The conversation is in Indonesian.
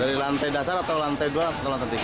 dari lantai dasar atau lantai dua atau lantai tiga